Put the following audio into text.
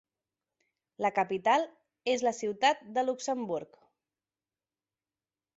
La capital és la ciutat de Luxemburg.